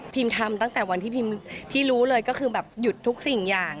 ทำตั้งแต่วันที่พิมที่รู้เลยก็คือแบบหยุดทุกสิ่งอย่าง